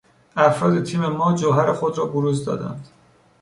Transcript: افراد تیم ما جوهر خود را بروز دادند.